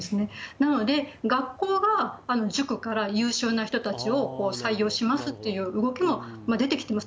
なので、学校が塾から優秀な人たちを採用しますっていう動きも出てきてます。